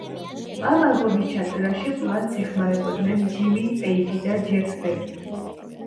ამ ალბომის ჩაწერაში პლანტს ეხმარებოდნენ ჯიმი პეიჯი და ჯეფ ბეკი.